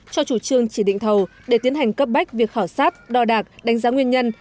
cho chủ trương chỉ định thầu để tiến hành cấp bách việc khảo sát đo đạc đánh giá nguyên nhân